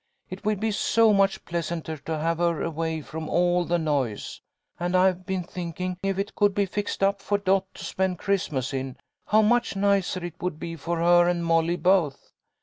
It would be so much pleasanter to have her away from all the noise. And I've been thinking if it could be fixed up for Dot to spend Christmas in, how much nicer it would be for her and Molly both.